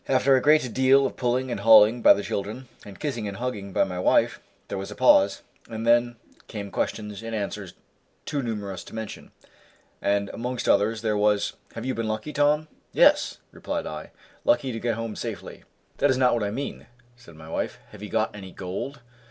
After a great deal of pulling and hauling by the children, and kissing and hugging by my wife, there was a pause, and then came questions and answers too numerous to mention, and amongst others there was, "Have you been lucky, Tom?" "Yes!" replied I, "lucky to get home safely." "That is not what I mean," said my wife, "have you got any gold?"